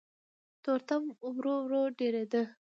تورتم ورو ورو ډېرېده.